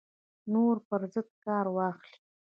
نورو پر ضد کار واخلي